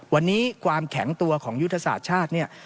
วันนี้ความแข็งตัวของยุทธศาสตร์ชาติเนี่ย